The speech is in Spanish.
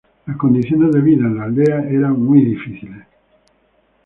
Las condiciones de vida en la aldea eran muy difíciles.